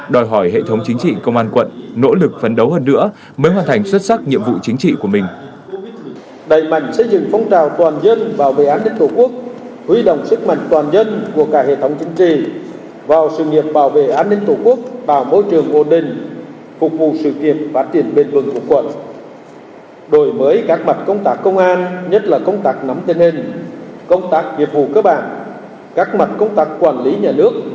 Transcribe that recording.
đòi hỏi hệ thống chính trị công an quận nỗ lực phấn đấu hơn nữa mới hoàn thành xuất sắc nhiệm vụ chính trị của mình